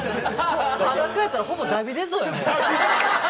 裸やったらほぼダビデ像やもう。